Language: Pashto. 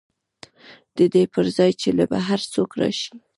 د دې پر ځای چې له بهر څوک راشي